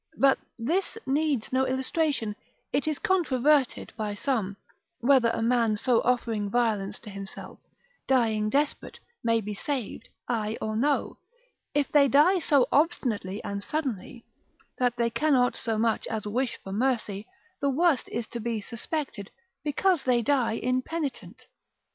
But this needs no illustration. It is controverted by some, whether a man so offering violence to himself, dying desperate, may be saved, ay or no? If they die so obstinately and suddenly, that they cannot so much as wish for mercy, the worst is to be suspected, because they die impenitent.